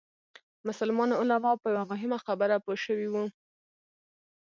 مسلمان علما په یوه مهمه خبره پوه شوي وو.